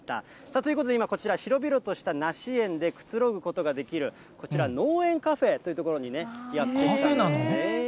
ということで、今、こちら、広々とした梨園でくつろぐことができる、こちら、農園カフェという所にやって来たんですね。